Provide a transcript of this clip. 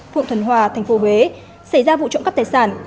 phụng thuần hòa tp huế xảy ra vụ trộm cắp tài sản